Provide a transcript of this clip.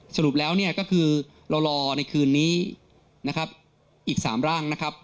สรุปแล้วก็คือเรารอในคืนนี้อีก๓ร่าง